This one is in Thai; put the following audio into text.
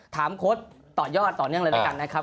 โค้ดต่อยอดต่อเนื่องเลยละกันนะครับ